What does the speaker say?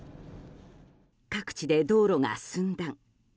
各地で道路が寸断。